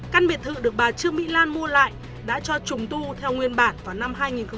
căn biệt thự được bà trương mỹ lan mua lại đã cho trùng tu theo nguyên bản vào năm hai nghìn một mươi